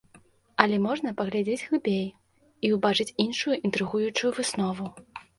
Але можна паглядзець глыбей і ўбачыць іншую інтрыгуючую выснову.